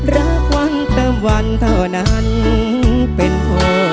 รักวันเติมวันเท่านั้นเป็นพ่อ